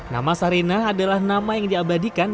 nama sarinah adalah nama yang diabadikan